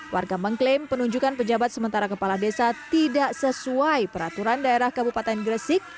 warga mengklaim penunjukan pejabat sementara kepala desa tidak sesuai peraturan daerah kabupaten gresik